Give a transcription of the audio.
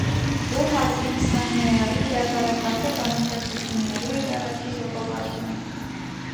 Ու հազիւ քսանամեայ՝ հրատարակած է բանաստեղծութիւններու իր առաջին ժողովածուն։